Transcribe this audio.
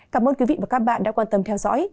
cảm ơn quý vị và các bạn đã quan tâm theo dõi